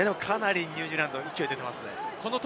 かなりニュージーランド、勢い出ていますね。